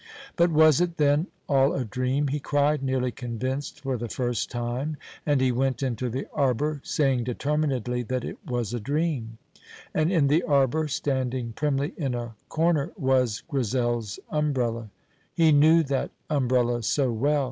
But was it, then, all a dream? he cried, nearly convinced for the first time, and he went into the arbour saying determinedly that it was a dream; and in the arbour, standing primly in a corner, was Grizel's umbrella. He knew that umbrella so well!